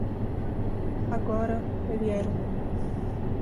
Agora ele era um homem